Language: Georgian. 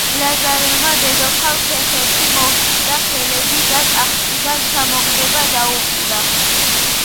ლაზარევმა დედოფალ ფეხებში მოჰკიდა ხელები და ტახტიდან ჩამოგდება დაუპირა.